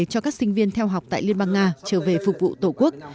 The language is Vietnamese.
cho các sinh viên theo học tại liên bang nga trở về phục vụ tổ quốc